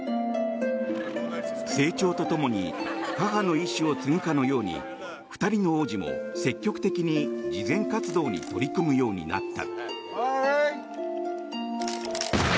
成長と共に母の遺志を継ぐかのように２人の王子も積極的に慈善活動に取り組むようになった。